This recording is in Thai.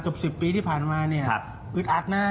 ๑๐ปีที่ผ่านมาเนี่ยอึดอัดนะ